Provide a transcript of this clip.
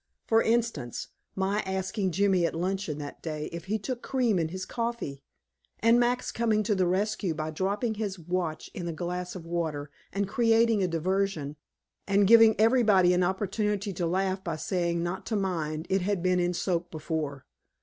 For instance, my asking Jimmy at luncheon that day if he took cream in his coffee! And Max coming to the rescue by dropping his watch in his glass of water, and creating a diversion and giving everybody an opportunity to laugh by saying not to mind, it had been in soak before.